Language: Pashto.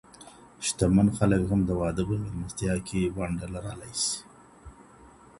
شتمن خلک هم د واده په ميلمستيا کي ونډه لرلای سي.